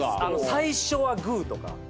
「最初はグー」とか。